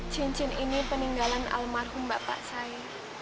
cincin ini peninggalan almarhum bapak saya